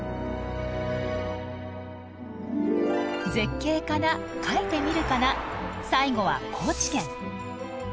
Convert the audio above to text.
絶景かな描いてみるかな最後は高知県。